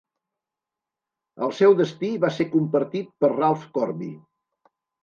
El seu destí va ser compartit per Ralph Corby.